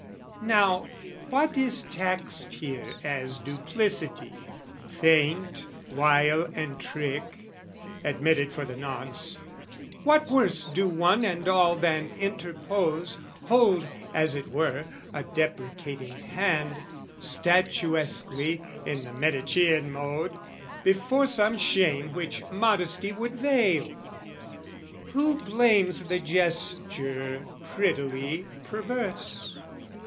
Now, what is taxed here as duplicity, Feint, wile and trick, admitted for the nonce, What worse do one and all than interpose, Hold, as it were, a deprecating hand, Statuesquely, in the Medicean mode, Before some shame which modesty would veil? Who blames the gesture prettily perverse?